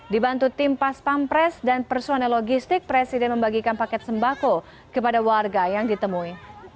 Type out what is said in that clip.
dibantu tim pas pampres dan personel logistik presiden membagikan paket sembako kepada warga yang ditemui